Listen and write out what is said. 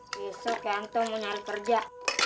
besok yang itu mau nyari kerja